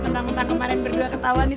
bentang bentang kemarin berdua ketawa nih